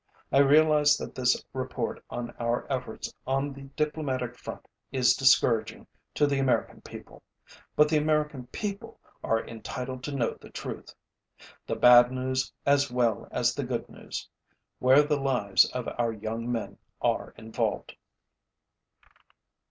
I realize that this report on our efforts on the diplomatic front is discouraging to the American people, but the American people are entitled to know the truth the bad news as well as the good news where the lives of our young men are involved.